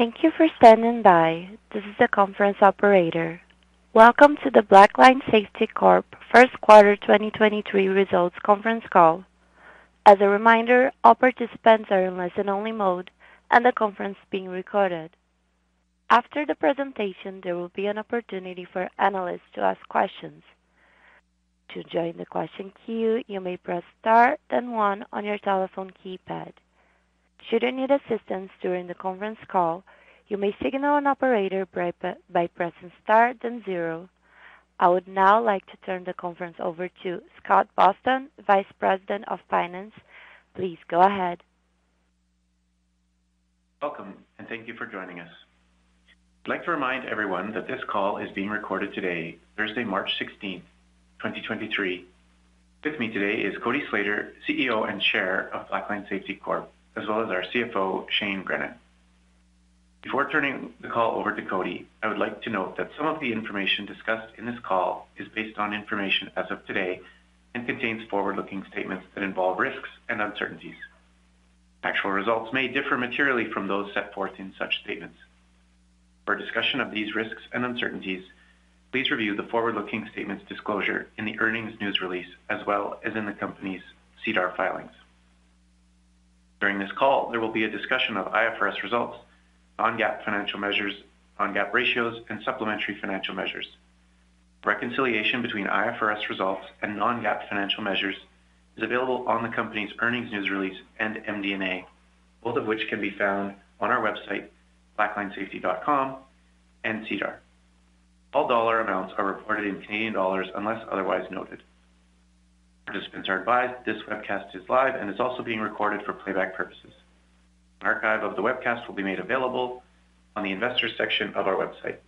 Thank you for standing by. This is the conference operator. Welcome to the Blackline Safety Corp First Quarter 2023 Results Conference Call. As a reminder, all participants are in listen only mode and the conference being recorded. After the presentation, there will be an opportunity for analysts to ask questions. To join the question queue, you may press star then one on your telephone keypad. Should you need assistance during the conference call, you may signal an operator by pressing Star then zero. I would now like to turn the conference over to Scott Boston, Vice President of Finance. Please go ahead. Welcome, and thank you for joining us. I'd like to remind everyone that this call is being recorded today, Thursday, March 16th, 2023. With me today is Cody Slater, Chief Executive Officer and Chair of Blackline Safety Corp., as well as our Chief Financial Officer, Shane Grennan. Before turning the call over to Cody, I would like to note that some of the information discussed in this call is based on information as of today and contains forward-looking statements that involve risks and uncertainties. Actual results may differ materially from those set forth in such statements. For a discussion of these risks and uncertainties, please review the forward-looking statements disclosure in the earnings news release as well as in the company's SEDAR filings. During this call, there will be a discussion of IFRS results, non-GAAP financial measures, non-GAAP ratios and supplementary financial measures. Reconciliation between IFRS results and non-GAAP financial measures is available on the company's earnings news release and MD&A, both of which can be found on our website, blacklinesafety.com and SEDAR. All dollar amounts are reported in Canadian dollars unless otherwise noted. Participants are advised this webcast is live and is also being recorded for playback purposes. An archive of the webcast will be made available on the investors section of our website.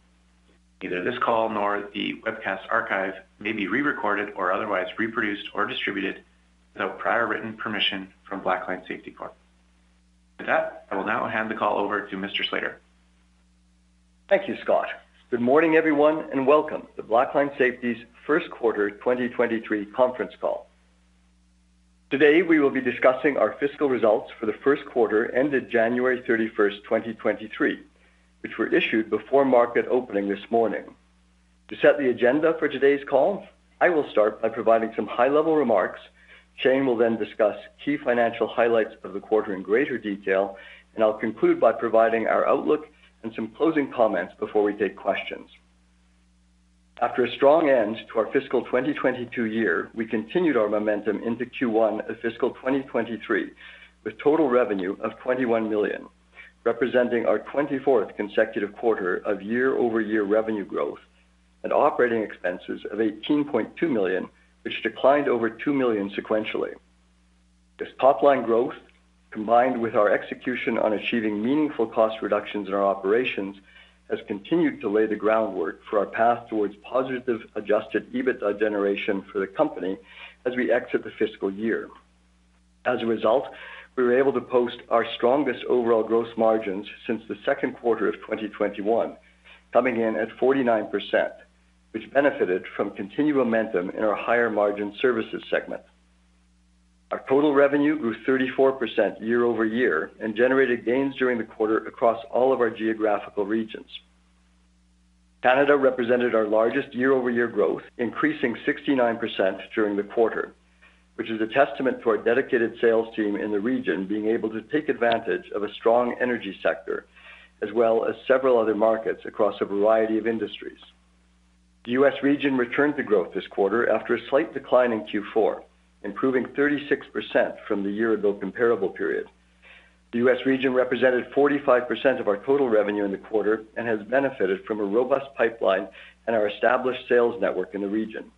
Neither this call nor the webcast archive may be re-recorded or otherwise reproduced or distributed without prior written permission from Blackline Safety Corp. With that, I will now hand the call over to Mr. Slater. Thank you, Scott. Good morning, everyone, and welcome to Blackline Safety's first quarter 2023 conference call. Today, we will be discussing our fiscal results for the first quarter ended January 31st, 2023, which were issued before market opening this morning. To set the agenda for today's call, I will start by providing some high-level remarks. Shane will then discuss key financial highlights of the quarter in greater detail, and I'll conclude by providing our outlook and some closing comments before we take questions. After a strong end to our fiscal 2022 year, we continued our momentum into Q1 of fiscal 2023, with total revenue of 21 million, representing our 24th consecutive quarter of year-over-year revenue growth and operating expenses of 18.2 million, which declined over 2 million sequentially. This top line growth, combined with our execution on achieving meaningful cost reductions in our operations, has continued to lay the groundwork for our path towards positive adjusted EBITDA generation for the company as we exit the fiscal year. As a result, we were able to post our strongest overall gross margins since the second quarter of 2021, coming in at 49%, which benefited from continued momentum in our higher margin services segment. Our total revenue grew 34% year-over-year and generated gains during the quarter across all of our geographical regions. Canada represented our largest year-over-year growth, increasing 69% during the quarter, which is a testament to our dedicated sales team in the region being able to take advantage of a strong energy sector as well as several other markets across a variety of industries. The U.S. region returned to growth this quarter after a slight decline in Q4, improving 36% from the year-ago comparable period. The U.S. region represented 45% of our total revenue in the quarter and has benefited from a robust pipeline and our established sales network in the region.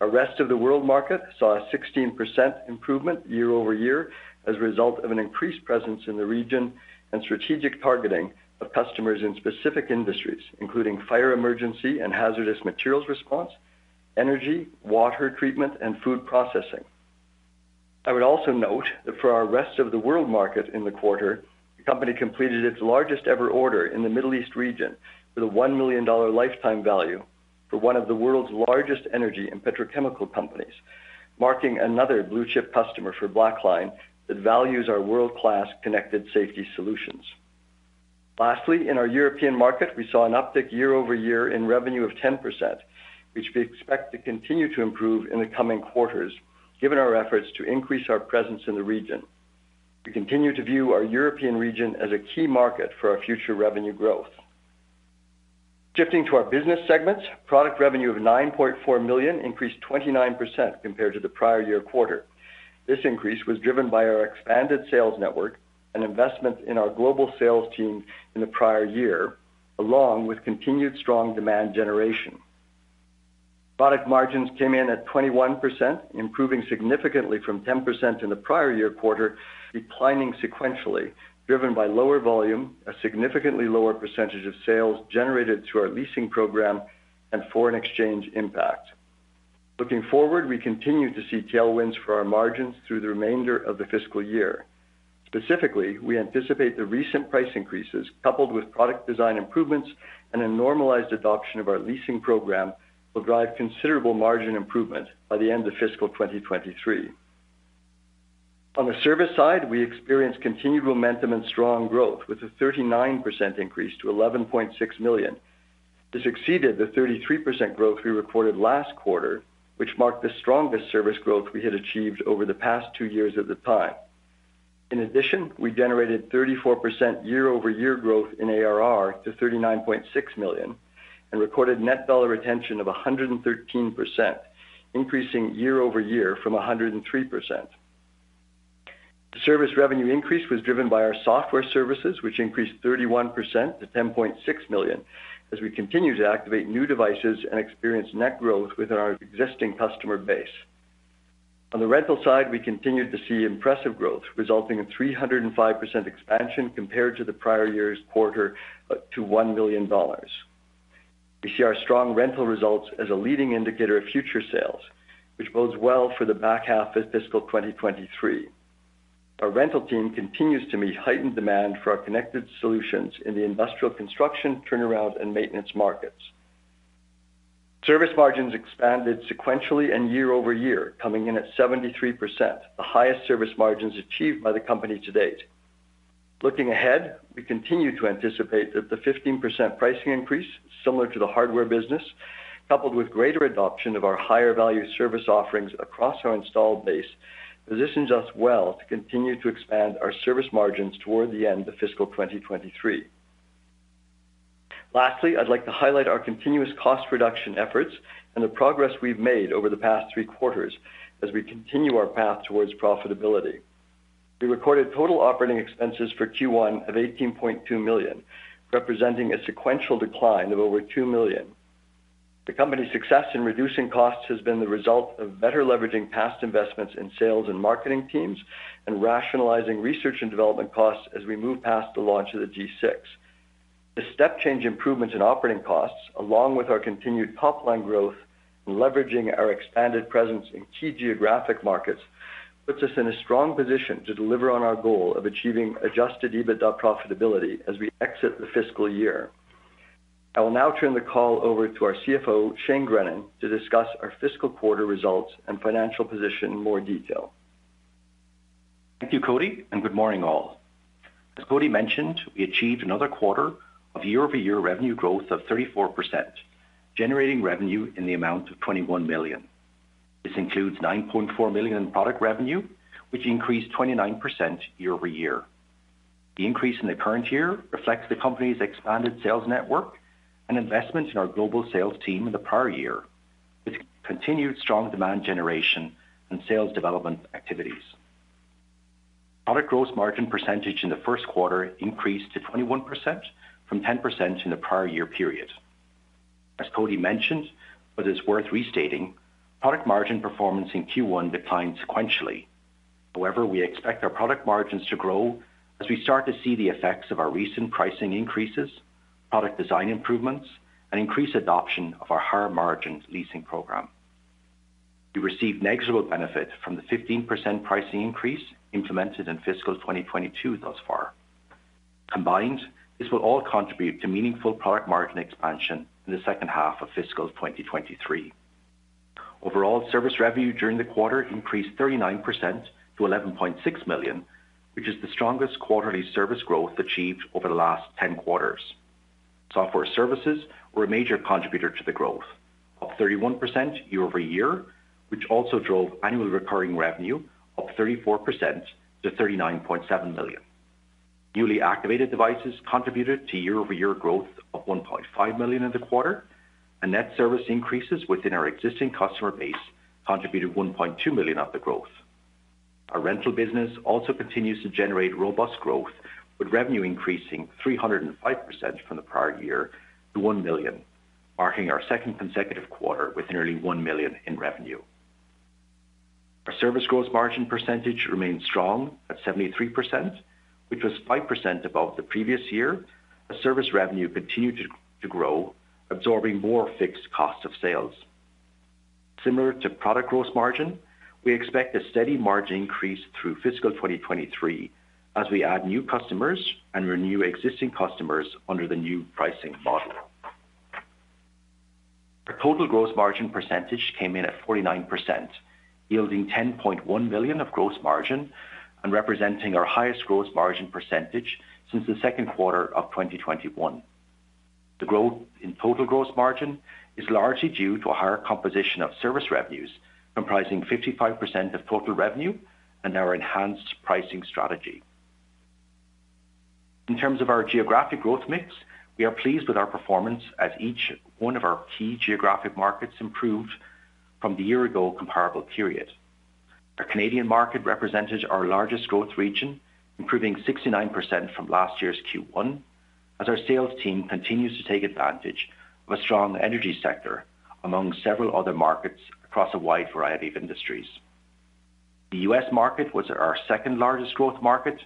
Our rest of the world market saw a 16% improvement year-over-year as a result of an increased presence in the region and strategic targeting of customers in specific industries, including fire emergency and hazardous materials response, energy, water treatment, and food processing. I would also note that for our rest of the world market in the quarter, the company completed its largest ever order in the Middle East region with a 1 million dollar lifetime value for one of the world's largest energy and petrochemical companies, marking another blue-chip customer for Blackline that values our world-class connected safety solutions. Lastly, in our European market, we saw an uptick year-over-year in revenue of 10%, which we expect to continue to improve in the coming quarters, given our efforts to increase our presence in the region. We continue to view our European region as a key market for our future revenue growth. Shifting to our business segments, product revenue of 9.4 million increased 29% compared to the prior year quarter. This increase was driven by our expanded sales network and investments in our global sales team in the prior year, along with continued strong demand generation. Product margins came in at 21%, improving significantly from 10% in the prior year quarter, declining sequentially, driven by lower volume, a significantly lower percentage of sales generated through our leasing program and foreign exchange impact. Looking forward, we continue to see tailwinds for our margins through the remainder of the fiscal year. Specifically, we anticipate the recent price increases coupled with product design improvements and a normalized adoption of our leasing program will drive considerable margin improvement by the end of fiscal 2023. On the service side, we experienced continued momentum and strong growth with a 39% increase to 11.6 million. This exceeded the 33% growth we recorded last quarter, which marked the strongest service growth we had achieved over the past two years at the time. In addition, we generated 34% year-over-year growth in ARR to 39.6 million and recorded net dollar retention of 113%, increasing year-over-year from 103%. The service revenue increase was driven by our software services, which increased 31% to 10.6 million as we continue to activate new devices and experience net growth within our existing customer base. On the rental side, we continued to see impressive growth resulting in 305% expansion compared to the prior year's quarter, to $1 million. We see our strong rental results as a leading indicator of future sales, which bodes well for the back half of fiscal 2023. Our rental team continues to meet heightened demand for our connected solutions in the industrial construction, turnaround, and maintenance markets. Service margins expanded sequentially and year over year, coming in at 73%, the highest service margins achieved by the company to date. Looking ahead, we continue to anticipate that the 15% pricing increase, similar to the hardware business, coupled with greater adoption of our higher value service offerings across our installed base, positions us well to continue to expand our service margins toward the end of fiscal 2023. I'd like to highlight our continuous cost reduction efforts and the progress we've made over the past three quarters as we continue our path towards profitability. We recorded total operating expenses for Q1 of 18.2 million, representing a sequential decline of over 2 million. The company's success in reducing costs has been the result of better leveraging past investments in sales and marketing teams and rationalizing research and development costs as we move past the launch of the G6. The step change improvements in operating costs, along with our continued top-line growth and leveraging our expanded presence in key geographic markets, puts us in a strong position to deliver on our goal of achieving adjusted EBITDA profitability as we exit the fiscal year. I will now turn the call over to our Chief Financial Officer, Shane Grennan, to discuss our fiscal quarter results and financial position in more detail. Thank you, Cody, and good morning, all. As Cody mentioned, we achieved another quarter of year-over-year revenue growth of 34%, generating revenue in the amount of 21 million. This includes 9.4 million in product revenue, which increased 29% year over year. The increase in the current year reflects the company's expanded sales network and investment in our global sales team in the prior year, with continued strong demand generation and sales development activities. Product gross margin percentage in the first quarter increased to 21% from 10% in the prior year period. As Cody mentioned, but it's worth restating, product margin performance in Q1 declined sequentially. However, we expect our product margins to grow as we start to see the effects of our recent pricing increases, product design improvements, and increased adoption of our higher margin leasing program. We received negligible benefit from the 15% pricing increase implemented in fiscal 2022 thus far. Combined, this will all contribute to meaningful product margin expansion in the second half of fiscal 2023. Overall, service revenue during the quarter increased 39% to $11.6 million, which is the strongest quarterly service growth achieved over the last 10 quarters. Software services were a major contributor to the growth of 31% year-over-year, which also drove annual recurring revenue up 34% to $39.7 million. Newly activated devices contributed to year-over-year growth of $1.5 million in the quarter, and net service increases within our existing customer base contributed $1.2 million of the growth. Our rental business also continues to generate robust growth, with revenue increasing 305% from the prior year to $1 million, marking our second consecutive quarter with nearly $1 million in revenue. Our service gross margin percentage remained strong at 73%, which was 5% above the previous year as service revenue continued to grow, absorbing more fixed costs of sales. Similar to product gross margin, we expect a steady margin increase through fiscal 2023 as we add new customers and renew existing customers under the new pricing model. The total gross margin percentage came in at 49%, yielding $10.1 million of gross margin and representing our highest gross margin percentage since the second quarter of 2021. The growth in total gross margin is largely due to a higher composition of service revenues, comprising 55% of total revenue and our enhanced pricing strategy. In terms of our geographic growth mix, we are pleased with our performance as each one of our key geographic markets improved from the year-ago comparable period. Our Canadian market represented our largest growth region, improving 69% from last year's Q1 as our sales team continues to take advantage of a strong energy sector among several other markets across a wide variety of industries. The US market was our second-largest growth market,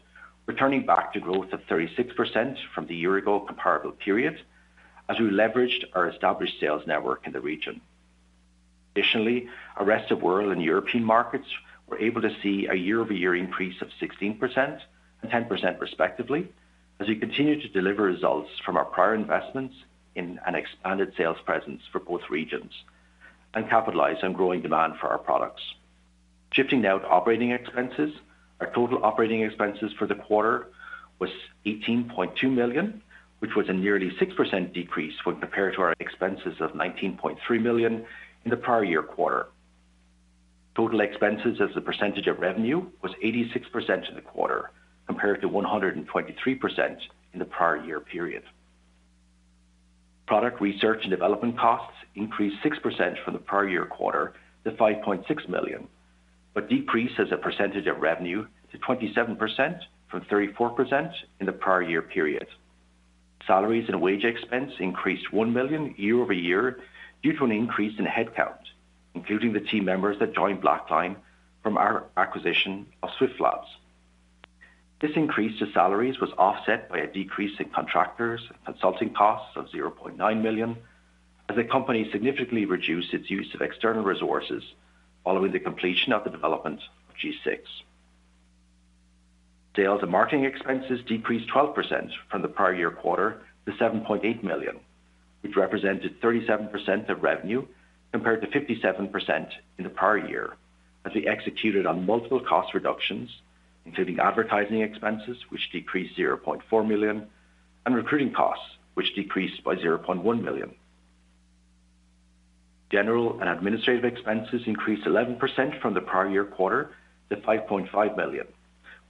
returning back to growth of 36% from the year-ago comparable period as we leveraged our established sales network in the region. Additionally, our rest of world and European markets were able to see a year-over-year increase of 16% and 10% respectively as we continue to deliver results from our prior investments in an expanded sales presence for both regions. Capitalize on growing demand for our products. Shifting now to operating expenses. Our total operating expenses for the quarter was 18.2 million, which was a nearly 6% decrease when compared to our expenses of 19.3 million in the prior year quarter. Total expenses as a percentage of revenue was 86% in the quarter, compared to 123% in the prior year period. Product research and development costs increased 6% from the prior year quarter to 5.6 million, but decreased as a percentage of revenue to 27% from 34% in the prior year period. Salaries and wage expense increased 1 million year-over-year due to an increase in headcount, including the team members that joined Blackline from our acquisition of Swift Labs. This increase to salaries was offset by a decrease in contractors and consulting costs of 0.9 million, as the company significantly reduced its use of external resources following the completion of the development of G6. Sales and marketing expenses decreased 12% from the prior-year quarter to 7.8 million, which represented 37% of revenue compared to 57% in the prior year, as we executed on multiple cost reductions, including advertising expenses, which decreased 0.4 million, and recruiting costs, which decreased by 0.1 million. General and administrative expenses increased 11% from the prior year quarter to $5.5 million,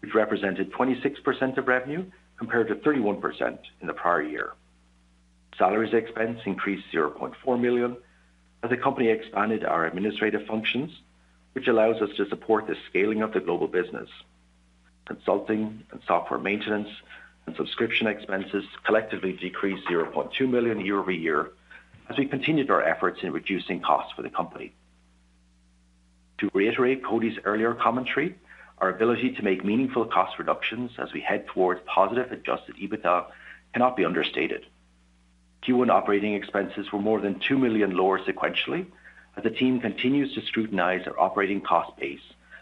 which represented 26% of revenue compared to 31% in the prior year. Salaries expense increased $0.4 million as the company expanded our administrative functions, which allows us to support the scaling of the global business. Consulting and software maintenance and subscription expenses collectively decreased $0.2 million year-over-year as we continued our efforts in reducing costs for the company. To reiterate Cody's earlier commentary, our ability to make meaningful cost reductions as we head towards positive adjusted EBITDA cannot be understated. Q1 operating expenses were more than $2 million lower sequentially as the team continues to scrutinize our operating cost base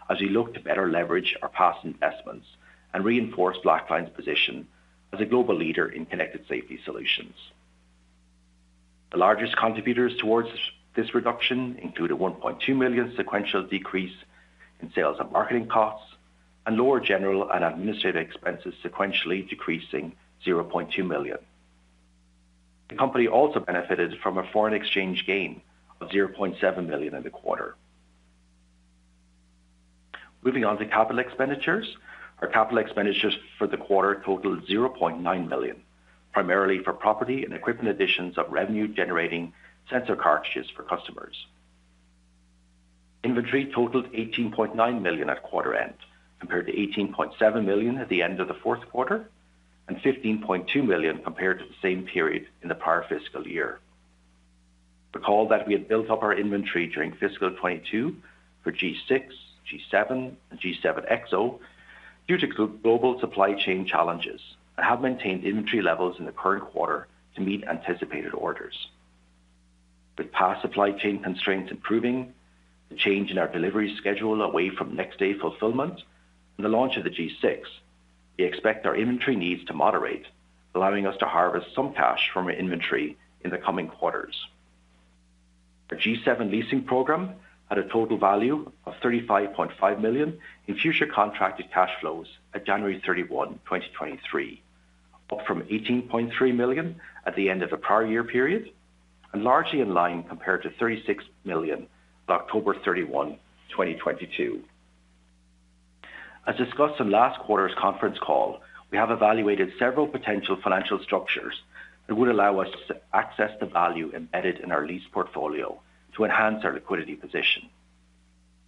as we look to better leverage our past investments and reinforce Blackline's position as a global leader in connected safety solutions. The largest contributors towards this reduction include a 1.2 million sequential decrease in sales and marketing costs and lower general and administrative expenses sequentially decreasing 0.2 million. The company also benefited from a foreign exchange gain of 0.7 million in the quarter. Moving on to capital expenditures. Our capital expenditures for the quarter totaled 0.9 million, primarily for property and equipment additions of revenue-generating sensor cartridges for customers. Inventory totaled 18.9 million at quarter end, compared to 18.7 million at the end of the fourth quarter, and 15.2 million compared to the same period in the prior fiscal year. Recall that we had built up our inventory during fiscal 2022 for G6, G7, and G7 EXO due to global supply chain challenges, and have maintained inventory levels in the current quarter to meet anticipated orders. With past supply chain constraints improving, the change in our delivery schedule away from next-day fulfillment and the launch of the G6, we expect our inventory needs to moderate, allowing us to harvest some cash from our inventory in the coming quarters. Our G7 leasing program had a total value of 35.5 million in future contracted cash flows at January 31, 2023, up from 18.3 million at the end of the prior year period, and largely in line compared to 36 million at October 31, 2022. As discussed in last quarter's conference call, we have evaluated several potential financial structures that would allow us to access the value embedded in our lease portfolio to enhance our liquidity position.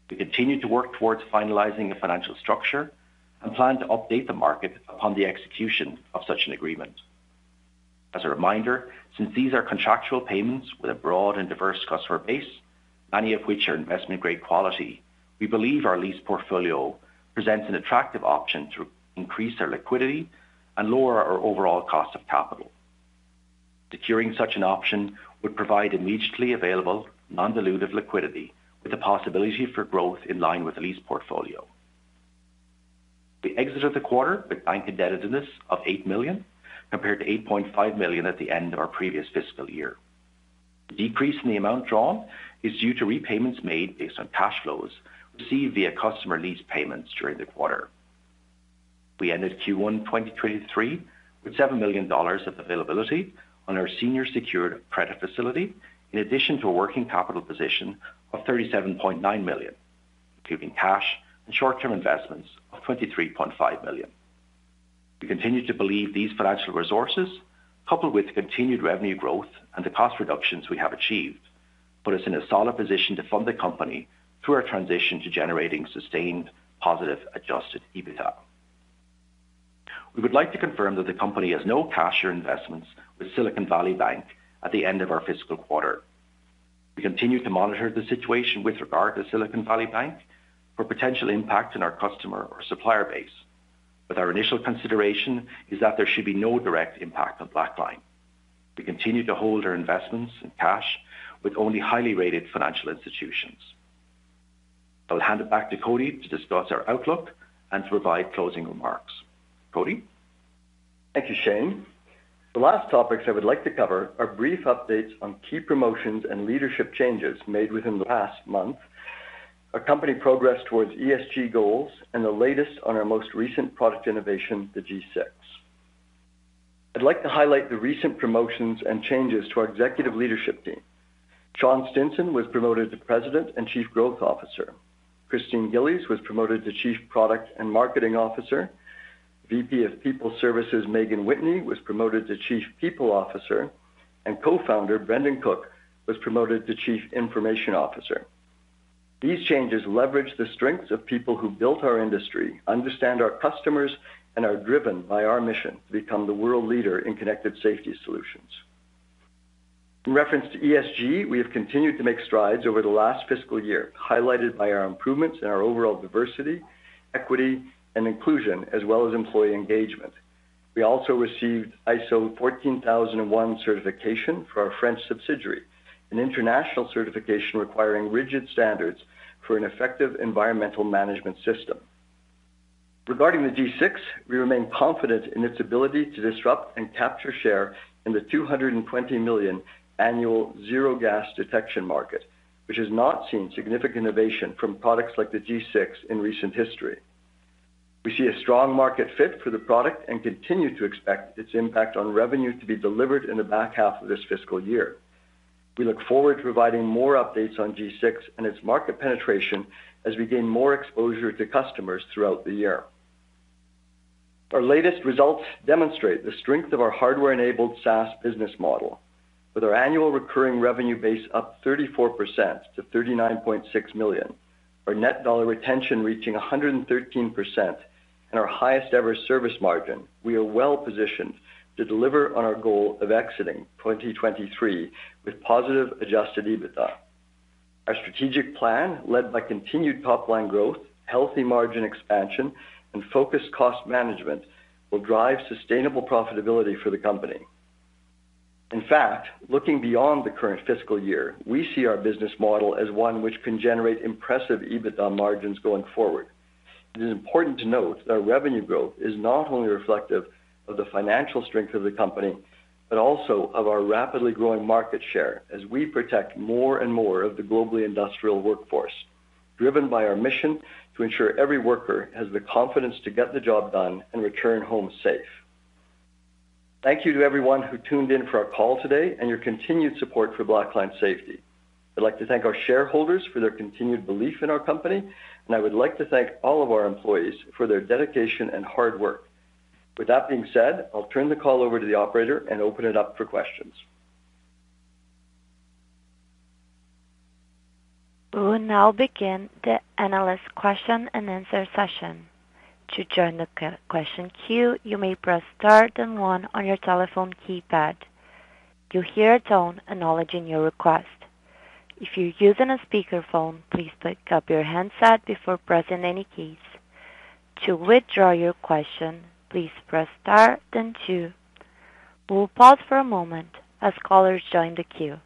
We continue to work towards finalizing a financial structure and plan to update the market upon the execution of such an agreement. As a reminder, since these are contractual payments with a broad and diverse customer base, many of which are investment-grade quality, we believe our lease portfolio presents an attractive option to increase our liquidity and lower our overall cost of capital. Securing such an option would provide immediately available non-dilutive liquidity with the possibility for growth in line with the lease portfolio. We exited the quarter with bank indebtedness of 8 million, compared to 8.5 million at the end of our previous fiscal year. The decrease in the amount drawn is due to repayments made based on cash flows received via customer lease payments during the quarter. We ended Q1 2023 with 7 million dollars of availability on our senior secured credit facility, in addition to a working capital position of 37.9 million, including cash and short-term investments of 23.5 million. We continue to believe these financial resources, coupled with continued revenue growth and the cost reductions we have achieved, put us in a solid position to fund the company through our transition to generating sustained positive adjusted EBITDA. We would like to confirm that the company has no cash or investments with Silicon Valley Bank at the end of our fiscal quarter. We continue to monitor the situation with regard to Silicon Valley Bank for potential impact on our customer or supplier base, but our initial consideration is that there should be no direct impact on Blackline. We continue to hold our investments in cash with only highly rated financial institutions. I'll hand it back to Cody to discuss our outlook and to provide closing remarks. Cody? Thank you, Shane. The last topics I would like to cover are brief updates on key promotions and leadership changes made within the past month, our company progress towards ESG goals, and the latest on our most recent product innovation, the G6. I'd like to highlight the recent promotions and changes to our executive leadership team. Sean Stinson was promoted to President and Chief Growth Officer. Christine Gillies was promoted to Chief Product and Marketing Officer. VP of People Services, Meaghan Whitney, was promoted to Chief People Officer, and co-founder, Brendon Cook, was promoted to Chief Information Officer. These changes leverage the strengths of people who built our industry, understand our customers, and are driven by our mission to become the world leader in connected safety solutions. In reference to ESG, we have continued to make strides over the last fiscal year, highlighted by our improvements in our overall diversity, equity, and inclusion, as well as employee engagement. We also received ISO 14001 certification for our French subsidiary, an international certification requiring rigid standards for an effective environmental management system. Regarding the G6, we remain confident in its ability to disrupt and capture share in the 220 million annual zero gas detection market, which has not seen significant innovation from products like the G6 in recent history. We see a strong market fit for the product and continue to expect its impact on revenue to be delivered in the back half of this fiscal year. We look forward to providing more updates on G6 and its market penetration as we gain more exposure to customers throughout the year. Our latest results demonstrate the strength of our hardware-enabled SaaS business model. With our annual recurring revenue base up 34% to 39.6 million, our net dollar retention reaching 113% and our highest ever service margin, we are well positioned to deliver on our goal of exiting 2023 with positive adjusted EBITDA. Our strategic plan, led by continued top line growth, healthy margin expansion, and focused cost management, will drive sustainable profitability for the company. In fact, looking beyond the current fiscal year, we see our business model as one which can generate impressive EBITDA margins going forward. It is important to note that our revenue growth is not only reflective of the financial strength of the company, but also of our rapidly growing market share as we protect more and more of the globally industrial workforce, driven by our mission to ensure every worker has the confidence to get the job done and return home safe. Thank you to everyone who tuned in for our call today and your continued support for Blackline Safety. I'd like to thank our shareholders for their continued belief in our company, and I would like to thank all of our employees for their dedication and hard work. With that being said, I'll turn the call over to the operator and open it up for questions. We will now begin the analyst question queue, you may press star then one on your telephone keypad. You'll hear a tone acknowledging your request. If you're using a speaker phone, please pick up your handset before pressing any keys. To withdraw your question, please press star then two. We'll pause for a moment as callers join the queue.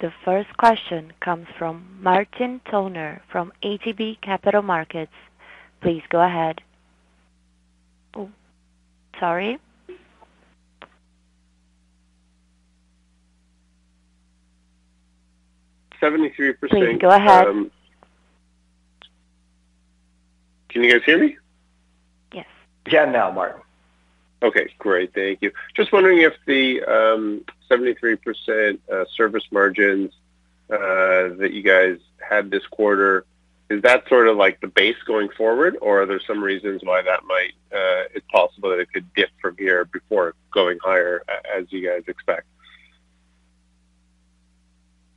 The first question comes from Martin Toner from ATB Capital Markets. Please go ahead. Oh, sorry. 73%. Please go ahead. Can you guys hear me? Yes. Yeah, now, Martin. Okay, great. Thank you. Just wondering if the 73% service margins that you guys had this quarter, is that sort of like the base going forward or are there some reasons why that might, it's possible that it could dip from here before going higher as you guys expect?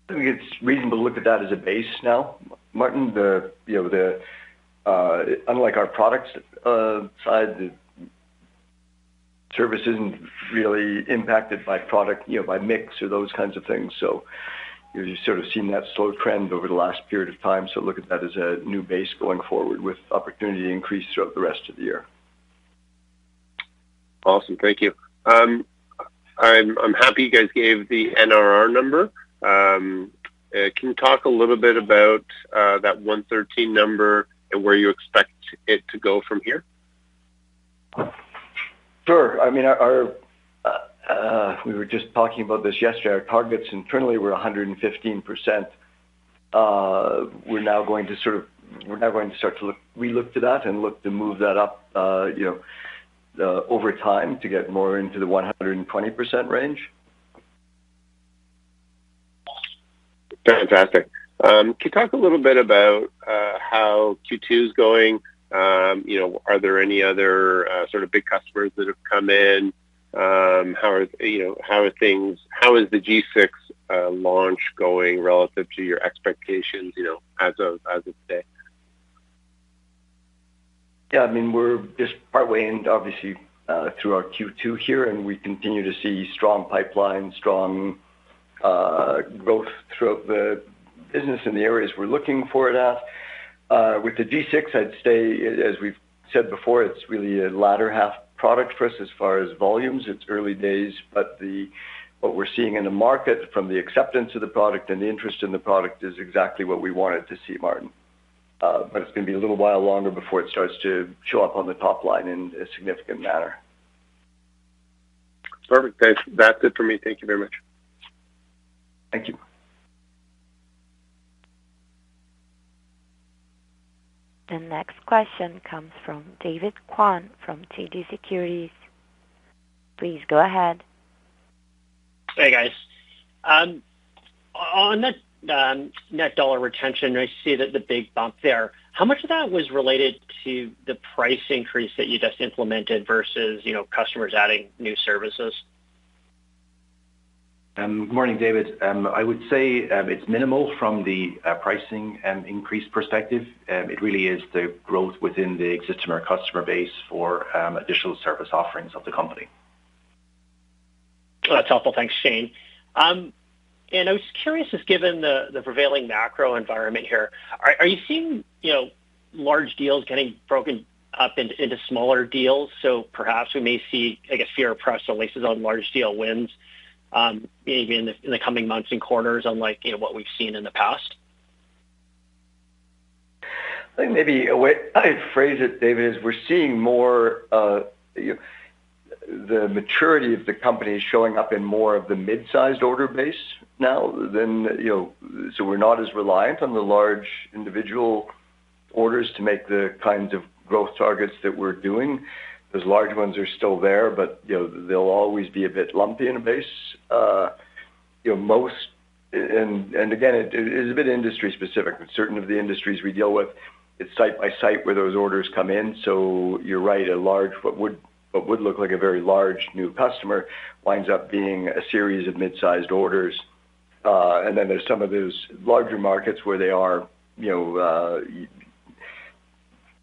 I think it's reasonable to look at that as a base now, Martin. The, you know, unlike our products side, the service isn't really impacted by product, you know, by mix or those kinds of things. You've sort of seen that slow trend over the last period of time. Look at that as a new base going forward with opportunity to increase throughout the rest of the year. Awesome. Thank you. I'm happy you guys gave the NRR number. Can you talk a little bit about that 113% number and where you expect it to go from here? Sure. I mean, our we were just talking about this yesterday. Our targets internally were 115%. We're now going to relook to that and look to move that up, you know, over time to get more into the 120% range. Fantastic. Can you talk a little bit about how Q2 is going? You know, are there any other sort of big customers that have come in? How are, you know, How is the G6 launch going relative to your expectations, you know, as of, as of today? Yeah, I mean, we're just partway in, obviously, through our Q2 here. We continue to see strong pipeline, strong, growth throughout the business in the areas we're looking for it at. With the G6, I'd say, as we've said before, it's really a latter half product for us as far as volumes. It's early days, but what we're seeing in the market from the acceptance of the product and the interest in the product is exactly what we wanted to see, Martin. But it's gonna be a little while longer before it starts to show up on the top line in a significant manner. Perfect. Thanks. That's it for me. Thank you very much. Thank you. The next question comes from David Kwan from TD Securities. Please go ahead. Hey, guys. On the net dollar retention, I see the big bump there. How much of that was related to the price increase that you just implemented versus, you know, customers adding new services? Good morning, David. I would say, it's minimal from the pricing and increase perspective. It really is the growth within the existing customer base for additional service offerings of the company. That's helpful. Thanks, Shane. I was curious, just given the prevailing macro environment here, are you seeing, you know, large deals getting broken up into smaller deals? Perhaps we may see, I guess, fewer press releases on large deal wins, maybe in the coming months and quarters, unlike, you know, what we've seen in the past. I think maybe a way I'd phrase it, David, is we're seeing more, the maturity of the company showing up in more of the mid-sized order base now than, you know. We're not as reliant on the large individual orders to make the kinds of growth targets that we're doing. Those large ones are still there, but, you know, they'll always be a bit lumpy in a base. You know, again, it's a bit industry specific, but certain of the industries we deal with, it's site by site where those orders come in. You're right, a large what would look like a very large new customer winds up being a series of mid-sized orders. Then there's some of those larger markets where they are, you know,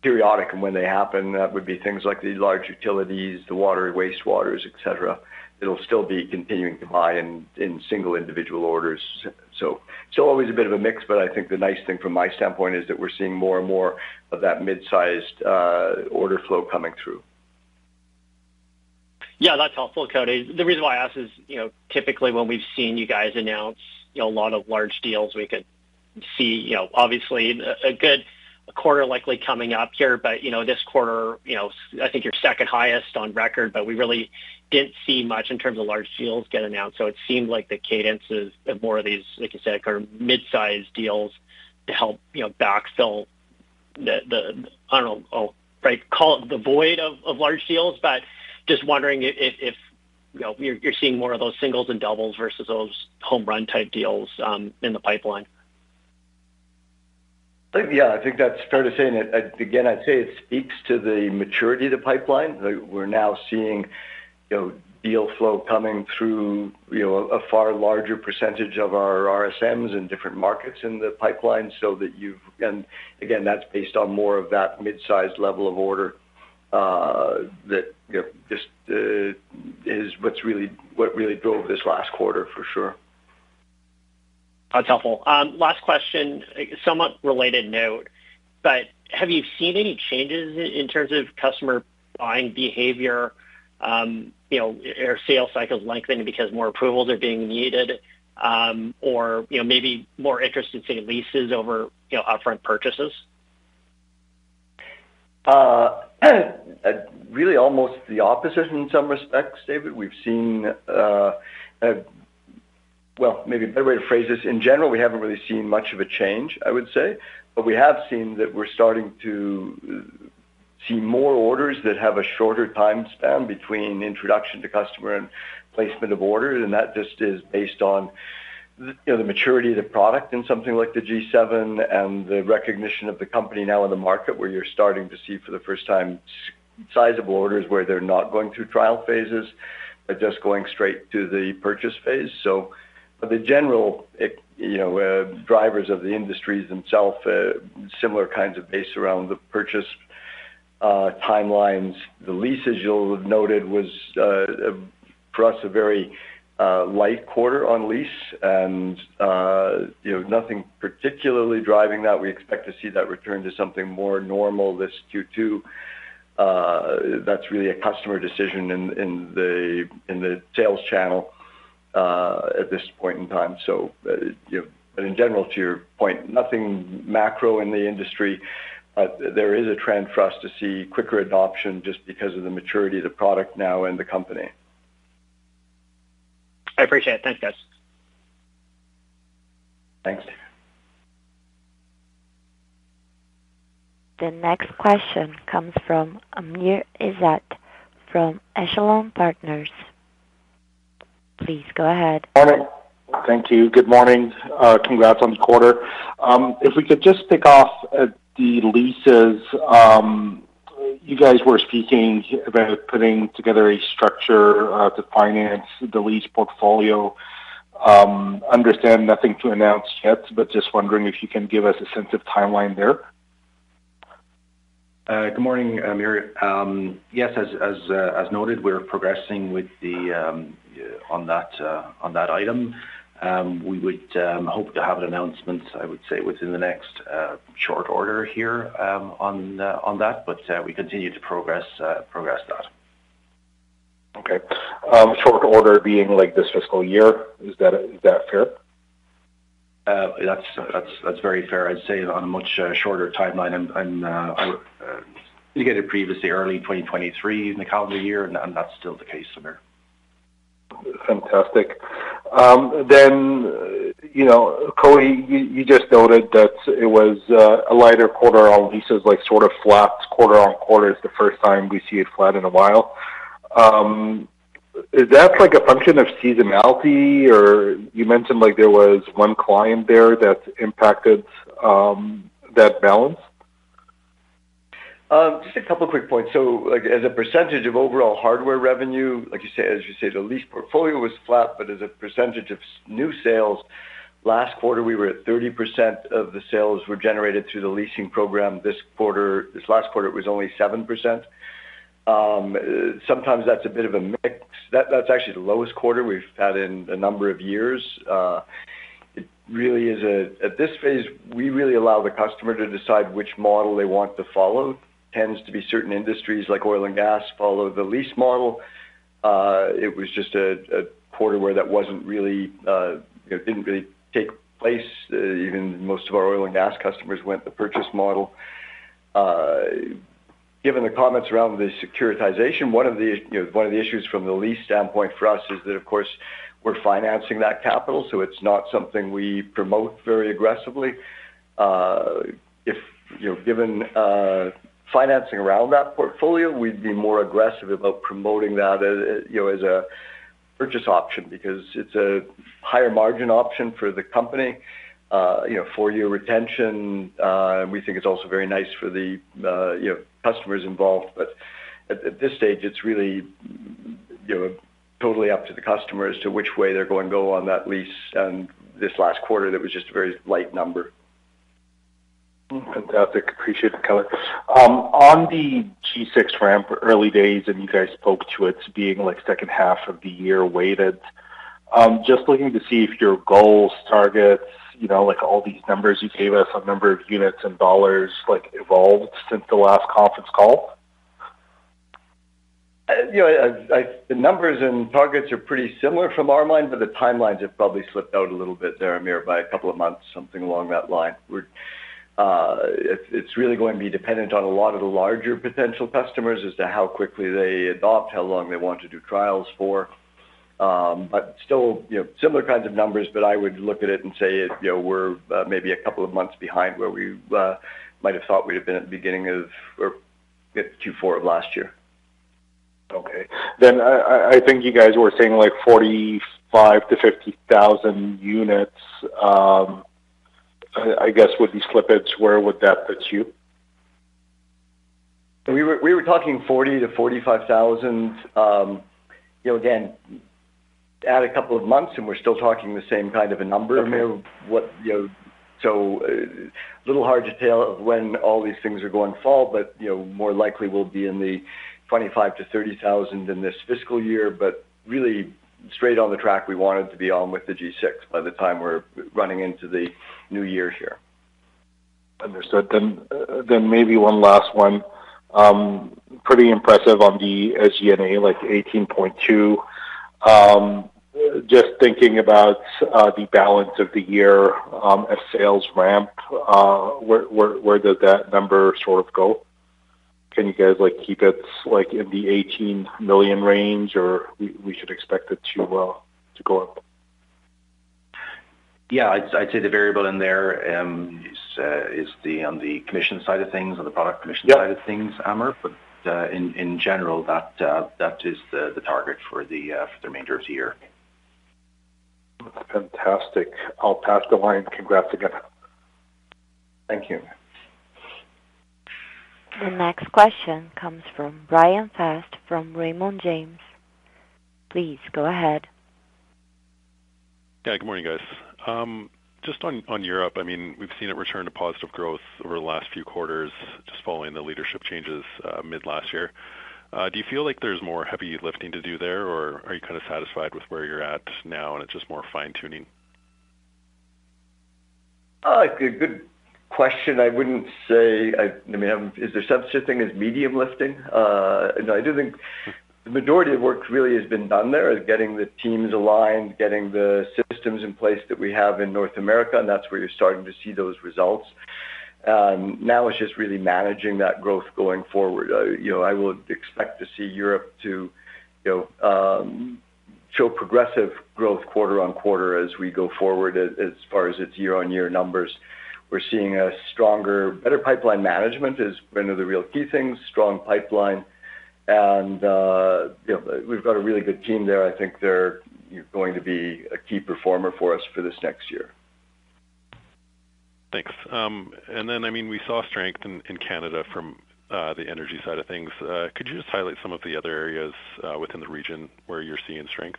periodic. When they happen, that would be things like the large utilities, the water and wastewaters, et cetera. It'll still be continuing to buy in single individual orders. Always a bit of a mix, but I think the nice thing from my standpoint is that we're seeing more and more of that mid-sized order flow coming through. Yeah, that's helpful, Cody. The reason why I ask is, you know, typically when we've seen you guys announce, you know, a lot of large deals, we could see, you know, obviously a good quarter likely coming up here. You know, this quarter, you know, I think your second highest on record, but we really didn't see much in terms of large deals get announced. It seemed like the cadence is more of these, like you said, kind of mid-sized deals to help, you know, backfill the I don't know, if I call it the void of large deals. Just wondering if, you know, you're seeing more of those singles and doubles versus those home run type deals in the pipeline? Yeah, I think that's fair to say. Again, I'd say it speaks to the maturity of the pipeline. We're now seeing, you know, deal flow coming through, you know, a far larger percentage of our RSMs in different markets in the pipeline so that you've. Again, that's based on more of that mid-sized level of order that, you know, just is what really drove this last quarter for sure. That's helpful. last question, somewhat related note, Have you seen any changes in terms of customer buying behavior, you know, or sales cycles lengthening because more approvals are being needed, or, you know, maybe more interest in, say, leases over, you know, upfront purchases? Really almost the opposite in some respects, David. We've seen, well, maybe a better way to phrase this. In general, we haven't really seen much of a change, I would say. We have seen that we're starting to see more orders that have a shorter time span between introduction to customer and placement of orders, and that just is based on, you know, the maturity of the product in something like the G7 and the recognition of the company now in the market, where you're starting to see for the first time sizable orders where they're not going through trial phases, but just going straight to the purchase phase. The general, you know, drivers of the industries themselves, similar kinds of pace around the purchase timelines. The leases you noted was for us, a very light quarter on lease and, you know, nothing particularly driving that. We expect to see that return to something more normal this Q2. That's really a customer decision in the sales channel at this point in time. You know, but in general, to your point, nothing macro in the industry, but there is a trend for us to see quicker adoption just because of the maturity of the product now and the company. I appreciate it. Thanks, guys. Thanks, David. The next question comes from Amr Ezzat from Echelon Wealth Partners. Please go ahead. Thank you. Good morning. Congrats on the quarter. If we could just kick off at the leases. You guys were speaking about putting together a structure, to finance the lease portfolio. Understand nothing to announce yet, but just wondering if you can give us a sense of timeline there. Good morning, Amr. Yes, as noted, we're progressing with the on that item. We would hope to have an announcement, I would say, within the next short order here, on that. We continue to progress that. Okay. short order being like this fiscal year, is that fair? That's very fair. I'd say on a much shorter timeline and I indicated previously early 2023 in the calendar year, and that's still the case, Amr. Fantastic. You know, Cody, you just noted that it was a lighter quarter on leases, like sort of flat quarter-on-quarter is the first time we see it flat in a while. Is that like a function of seasonality? Or you mentioned like there was one client there that impacted that balance. Just a couple of quick points. As a percentage of overall hardware revenue, like you say, as you say, the lease portfolio was flat, but as a percentage of new sales, last quarter, we were at 30% of the sales were generated through the leasing program. This last quarter, it was only 7%. Sometimes that's a bit of a mix. That's actually the lowest quarter we've had in a number of years. It really is. At this phase, we really allow the customer to decide which model they want to follow. Tends to be certain industries like oil and gas follow the lease model. It was just a quarter where that wasn't really, it didn't really take place. Even most of our oil and gas customers went the purchase model. Given the comments around the securitization, one of the, you know, one of the issues from the lease standpoint for us is that, of course, we're financing that capital, so it's not something we promote very aggressively. If, you know, given financing around that portfolio, we'd be more aggressive about promoting that as, you know, as a purchase option because it's a higher margin option for the company, you know, for your retention. We think it's also very nice for the, you know, customers involved. At this stage, it's really, you know, totally up to the customer as to which way they're going to go on that lease. This last quarter, that was just a very light number. Fantastic. Appreciate the color. On the G6 ramp, early days, and you guys spoke to it being like second half of the year weighted. Just looking to see if your goals, targets, you know, like all these numbers you gave us on number of units and dollars, like evolved since the last conference call? You know, the numbers and targets are pretty similar from our mind, the timelines have probably slipped out a little bit there, Amr, by a couple of months, something along that line. It's really going to be dependent on a lot of the larger potential customers as to how quickly they adopt, how long they want to do trials for. Still, you know, similar kinds of numbers, I would look at it and say, you know, we're maybe a couple of months behind where we might have thought we'd have been at the beginning of or Q4 of last year. Okay. I think you guys were saying like 45,000-50,000 units, I guess, would you slip it? Where would that put you? We were talking 40,000-45,000. You know, again, add a couple of months, and we're still talking the same kind of a number. Okay. What, you know. little hard to tell when all these things are going to fall, but, you know, more likely we'll be in the 25,000-30,000 in this fiscal year, but really straight on the track we wanted to be on with the G6 by the time we're running into the new year here. Understood. Maybe one last one. Pretty impressive on the SG&A, like 18.2 million. Just thinking about the balance of the year, as sales ramp, where does that number sort of go? Can you guys, like, keep it, like, in the 18 million range, or we should expect it to go up? Yeah. I'd say the variable in there, is the, on the commission side of things or the product commission side of things, Amr Ezzat. Yeah. In, in general, that is the target for the, for the remainder of the year. Fantastic. I'll pass the line. Congrats again. Thank you. The next question comes from Bryan Fast from Raymond James. Please go ahead. Good morning, guys. Just on Europe, I mean, we've seen it return to positive growth over the last few quarters, just following the leadership changes mid last year. Do you feel like there's more heavy lifting to do there, or are you kind of satisfied with where you're at now, and it's just more fine-tuning? Good, good question. I wouldn't say I mean, is there such a thing as medium lifting? No, I do think the majority of work really has been done there is getting the teams aligned, getting the systems in place that we have in North America, and that's where you're starting to see those results. Now it's just really managing that growth going forward. You know, I would expect to see Europe to, you know, show progressive growth quarter-on-quarter as we go forward as far as its year-on-year numbers. We're seeing a stronger, better pipeline management is one of the real key things, strong pipeline. You know, we've got a really good team there. I think they're going to be a key performer for us for this next year. Thanks. I mean, we saw strength in Canada from, the energy side of things. Could you just highlight some of the other areas, within the region where you're seeing strength?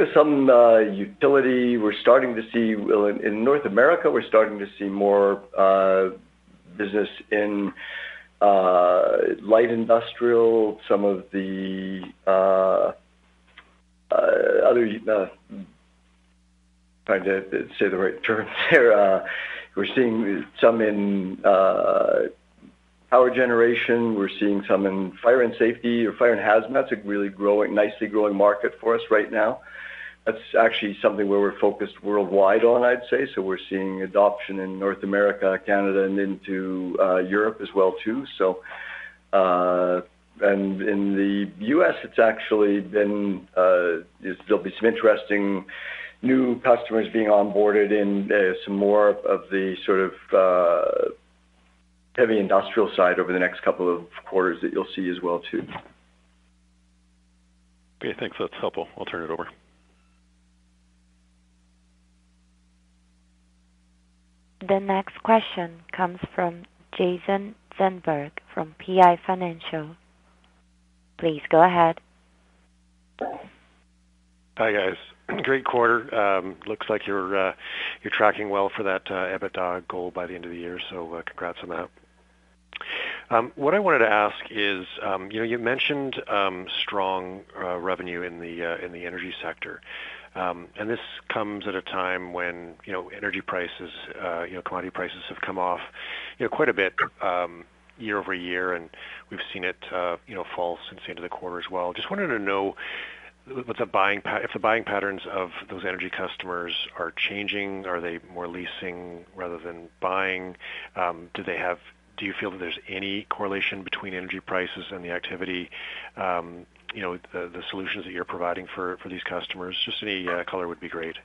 Yeah, some utility we're starting to see. Well, in North America, we're starting to see more business in light industrial. Some of the other. Trying to say the right term there. We're seeing some in power generation. We're seeing some in fire and safety or fire and hazmat. It's a really nicely growing market for us right now. That's actually something where we're focused worldwide on, I'd say. We're seeing adoption in North America, Canada, and into Europe as well, too. In the U.S, it's actually been, there'll be some interesting new customers being onboarded in some more of the sort of heavy industrial side over the next couple of quarters that you'll see as well, too. Okay, thanks. That's helpful. I'll turn it over. The next question comes from Jason Zandberg from PI Financial. Please go ahead. Hi, guys. Great quarter. Looks like you're tracking well for that EBITDA goal by the end of the year. Congrats on that. What I wanted to ask is, you know, you mentioned strong revenue in the energy sector. This comes at a time when, you know, energy prices, you know, commodity prices have come off, you know, quite a bit year-over-year, and we've seen it fall since the end of the quarter as well. Just wanted to know if the buying patterns of those energy customers are changing. Are they more leasing rather than buying? Do you feel that there's any correlation between energy prices and the activity, you know, the solutions that you're providing for these customers? Just any color would be great.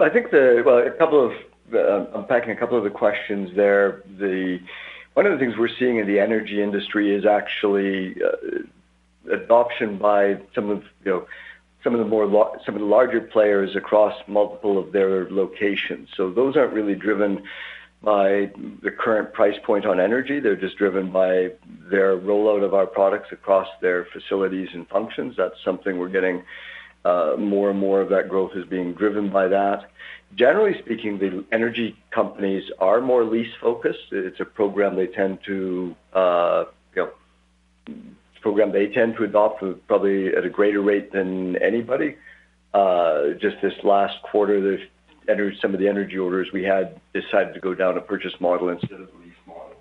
I think Well, unpacking a couple of the questions there. One of the things we're seeing in the energy industry is actually, adoption by some of, you know, some of the larger players across multiple of their locations. Those aren't really driven by the current price point on energy. They're just driven by their rollout of our products across their facilities and functions. That's something we're getting, more and more of that growth is being driven by that. Generally speaking, the energy companies are more lease-focused. It's a program they tend to, you know, adopt probably at a greater rate than anybody. Just this last quarter, some of the energy orders we had decided to go down a purchase model instead of the lease model.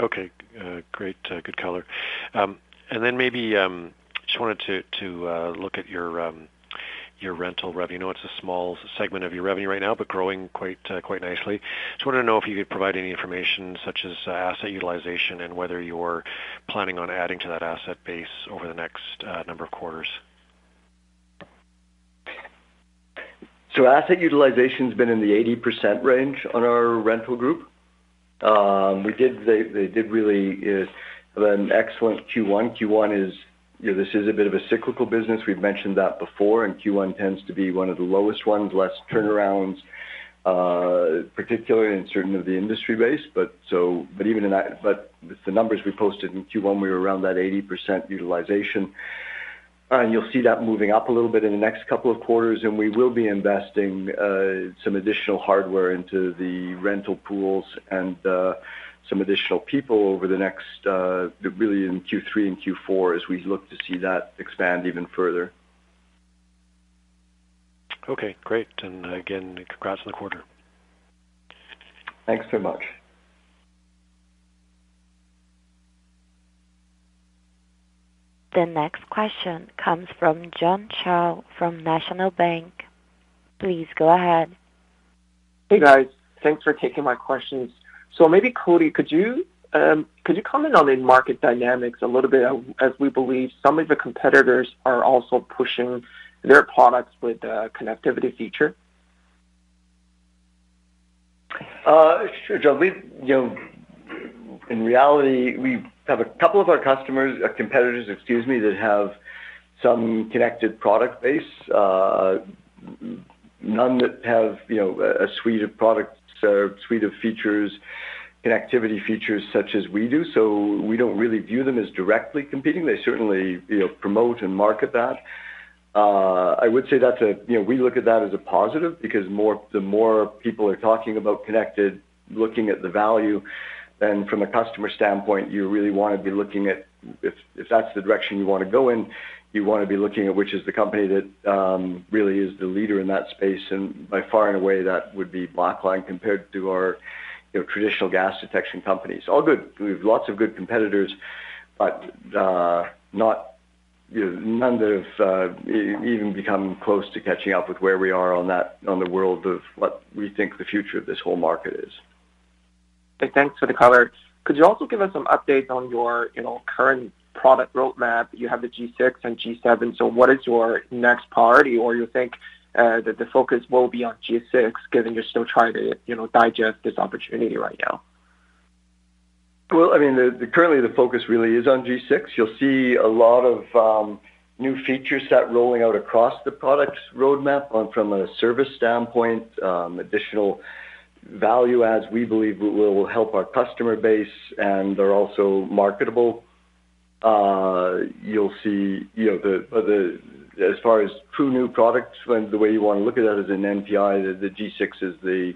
Okay. Great. Good color. Then maybe just wanted to look at your rental revenue. I know it's a small segment of your revenue right now, but growing quite nicely. Just wanted to know if you could provide any information such as asset utilization and whether you're planning on adding to that asset base over the next number of quarters? Asset utilization's been in the 80% range on our rental group. They did really have an excellent Q1. Q1 is, you know, this is a bit of a cyclical business. We've mentioned that before, and Q1 tends to be one of the lowest ones, less turnarounds, particularly in certain of the industry base. Even in that. The numbers we posted in Q1, we were around that 80% utilization. You'll see that moving up a little bit in the next couple of quarters, and we will be investing some additional hardware into the rental pools and some additional people over the next, really in Q3 and Q4 as we look to see that expand even further. Okay, great. Again, congrats on the quarter. Thanks very much. The next question comes from John Shao from National Bank. Please go ahead. Hey, guys. Thanks for taking my questions. Maybe, Cody, could you comment on the market dynamics a little bit as we believe some of the competitors are also pushing their products with the connectivity feature? Sure, John. You know, in reality, we have a couple of our customers, competitors, excuse me, that have some connected product base. None that have, you know, a suite of products or suite of features, connectivity features such as we do. We don't really view them as directly competing. They certainly, you know, promote and market that. I would say You know, we look at that as a positive because the more people are talking about connected, looking at the value. Then from a customer standpoint, you really wanna be looking at if that's the direction you wanna go in, you wanna be looking at which is the company that, really is the leader in that space. By far and away, that would be Blackline compared to our, you know, traditional gas detection companies. All good. We have lots of good competitors, but not, you know, none that have even become close to catching up with where we are on the world of what we think the future of this whole market is. Okay, thanks for the color. Could you also give us some updates on your, you know, current product roadmap? You have the G6 and G7, what is your next priority? You think that the focus will be on G6 given you're still trying to, you know, digest this opportunity right now? Well, I mean, the currently the focus really is on G6. You'll see a lot of new features start rolling out across the products roadmap from a service standpoint, additional value adds we believe will help our customer base and are also marketable. You'll see, you know, the as far as true new products when the way you want to look at that as an NPI, the G6 is the,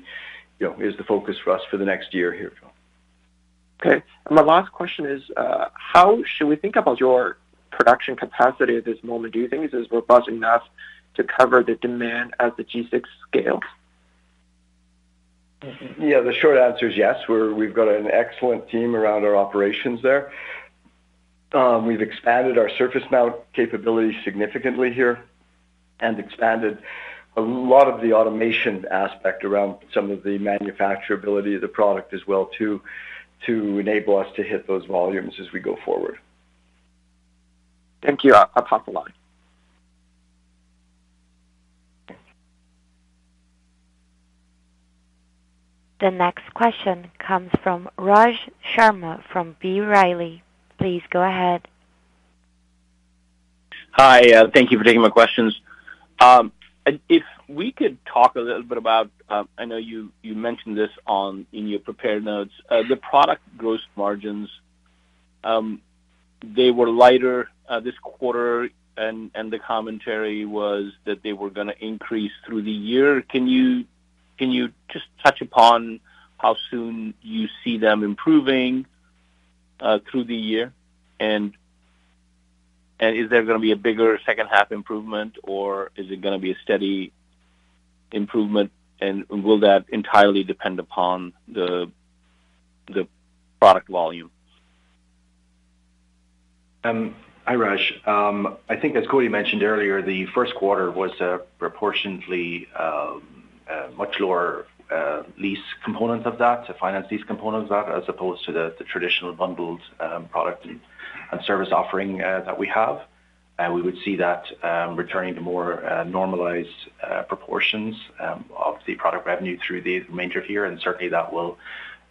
you know, is the focus for us for the next year here, John. Okay. My last question is, how should we think about your production capacity at this moment? Do you think this is robust enough to cover the demand as the G6 scales? Yeah. The short answer is yes. We've got an excellent team around our operations there. We've expanded our Surface Mount capabilities significantly here and expanded a lot of the automation aspect around some of the manufacturability of the product as well to enable us to hit those volumes as we go forward. Thank you. I'll hope along. The next question comes from Raj Sharma from B. Riley. Please go ahead. Hi, thank you for taking my questions. If we could talk a little bit about, I know you mentioned this on in your prepared notes. The product gross margins, they were lighter this quarter and the commentary was that they were gonna increase through the year. Can you just touch upon how soon you see them improving through the year? Is there gonna be a bigger second half improvement, or is it gonna be a steady improvement, and will that entirely depend upon the product volume? Hi, Raj. I think as Cody mentioned earlier, the first quarter was a proportionately much lower lease component of that to finance these components of that as opposed to the traditional bundled product and service offering that we have. We would see that returning to more normalized proportions of the product revenue through the remainder here, and certainly that will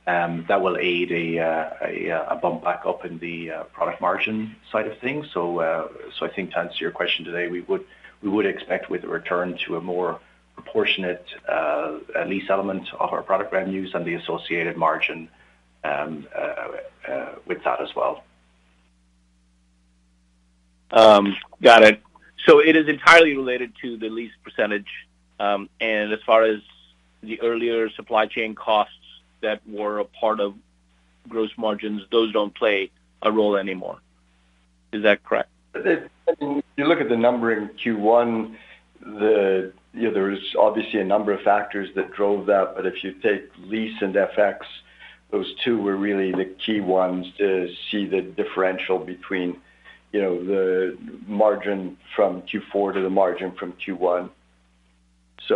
aid a bump back up in the product margin side of things. I think to answer your question today, we would expect with a return to a more proportionate lease element of our product revenues and the associated margin with that as well. Got it. It is entirely related to the lease percentage. As far as the earlier supply chain costs that were a part of gross margins, those don't play a role anymore. Is that correct? If you look at the number in Q1, you know, there's obviously a number of factors that drove that. If you take lease and FX, those two were really the key ones to see the differential between, you know, the margin from Q4 to the margin from Q1. You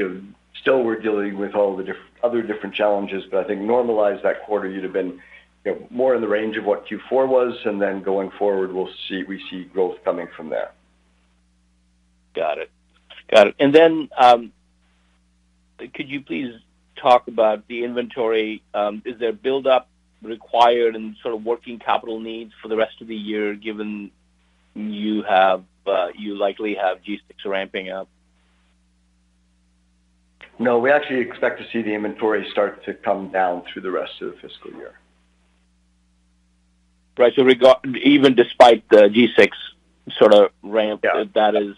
know, still we're dealing with all the other different challenges, but I think normalize that quarter, you'd have been, you know, more in the range of what Q4 was. Going forward, we'll see, we see growth coming from there. Got it. Could you please talk about the inventory? Is there build up required and sort of working capital needs for the rest of the year given you likely have G6 ramping up? We actually expect to see the inventory start to come down through the rest of the fiscal year. Right. even despite the G6 sorta ramp- Yeah. that is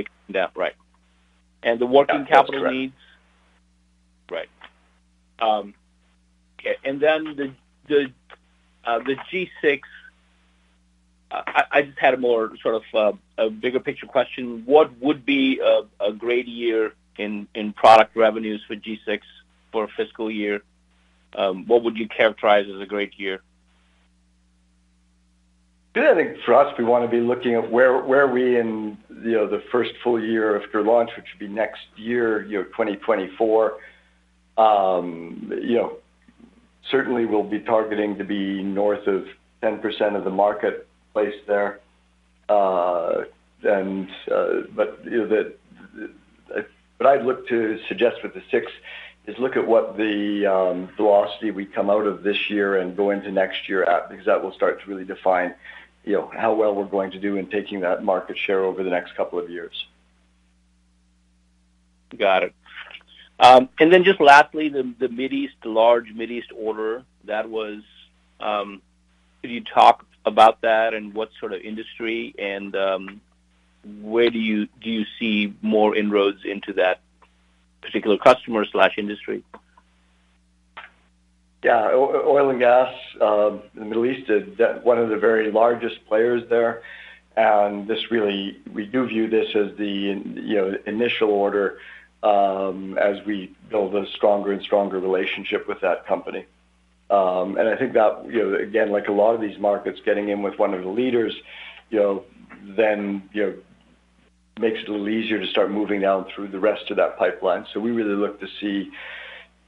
coming down. Right. The working capital needs? Right. Okay. The G6, I just had a more sort of a bigger picture question. What would be a great year in product revenues for G6 for a fiscal year? What would you characterize as a great year? I think for us, we wanna be looking at where are we in, you know, the first full year after launch, which would be next year, you know, 2024. You know, certainly we'll be targeting to be north of 10% of the marketplace there. You know, the What I'd look to suggest with the G6 is look at what the velocity we come out of this year and go into next year at, because that will start to really define, you know, how well we're going to do in taking that market share over the next couple of years. Got it. Just lastly, the Middle East, large Middle East order that was, could you talk about that and what sort of industry and, where do you see more inroads into that particular customer/industry? Yeah. Oil and gas in the Middle East is one of the very largest players there. This really, we do view this as the, you know, initial order as we build a stronger and stronger relationship with that company. I think that, you know, again, like a lot of these markets getting in with one of the leaders, you know, then, you know, makes it a little easier to start moving down through the rest of that pipeline. We really look to see,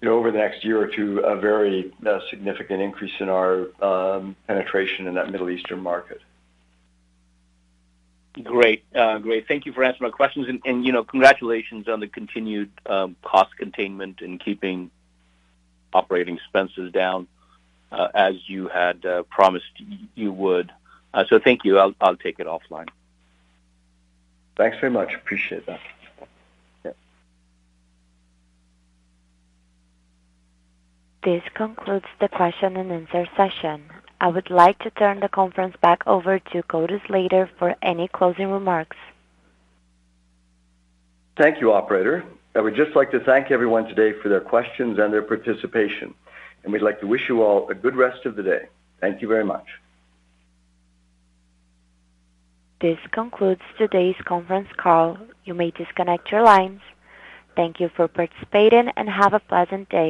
you know, over the next year or two, a very significant increase in our penetration in that Middle Eastern market. Great. Great. Thank you for answering my questions. You know, congratulations on the continued cost containment and keeping operating expenses down, as you had promised you would. Thank you. I'll take it offline. Thanks very much. Appreciate that. Yeah. This concludes the question and answer session. I would like to turn the conference back over to Cody Slater for any closing remarks. Thank you, operator. I would just like to thank everyone today for their questions and their participation. We'd like to wish you all a good rest of the day. Thank you very much. This concludes today's conference call. You may disconnect your lines. Thank you for participating. Have a pleasant day.